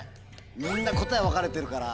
みんな答え分かれてるから。